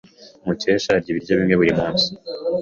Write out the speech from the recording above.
Mukesha arya ibiryo bimwe buri munsi.